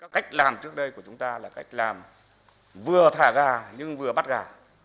cách làm trước đây của chúng ta là cách làm vừa thả gà nhưng vừa bắt gà